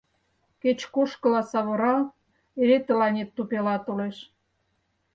— Кеч-кушкыла савырал, эре тыланет тупела толеш.